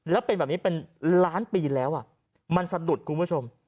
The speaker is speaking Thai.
แล้วเป็นแบบนี้เป็นล้านปีแล้วมันสะดุดคุณผู้ชม